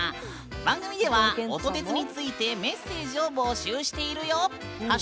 番組では音鉄についてメッセージを募集しているよ。